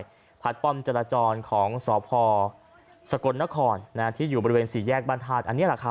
ก็คือปอมจรจรของสอบพ่อสะกดนครที่อยู่บริเวณสี่แยกบ้านทาท